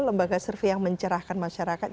lembaga survei yang mencerahkan masyarakat